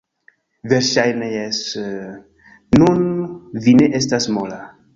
Verŝajne jes... nun vi ne estas mola